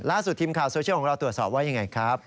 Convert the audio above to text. ล่าสุดทีมคาวท์โซเชียลของเราตรวจสอบว่าอย่างไรครับ